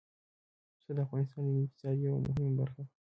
پسه د افغانستان د ملي اقتصاد یوه مهمه برخه ده.